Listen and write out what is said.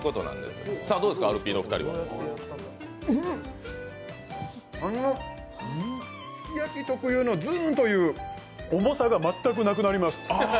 すき焼き特有のずーんという重さが全くなくなります。